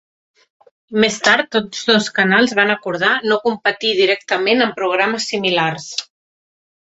Més tard, tots dos canals van acordar no competir directament amb programes similars.